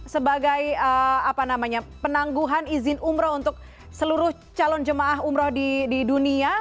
sebagai penangguhan izin umroh untuk seluruh calon jemaah umroh di dunia